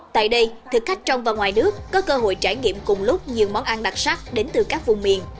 tại đây thực khách trong và ngoài nước có cơ hội trải nghiệm cùng lúc nhiều món ăn đặc sắc đến từ các vùng miền